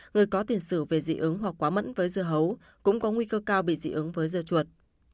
người có tiền sử về dị ứng hoặc quá mẫn với dưa hấu cũng có nguy cơ cao bị dị ứng với dưa chuột